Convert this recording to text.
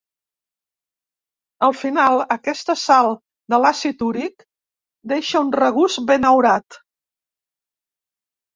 Al final, aquesta sal de l'àcid úric deixa un regust benaurat.